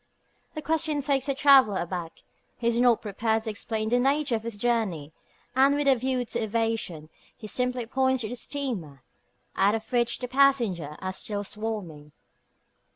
The question takes the traveller aback. He is not prepared to explain the nature of his journey, and with a view to evasion he simply points to the steamer, out of which the passengers are still swarming.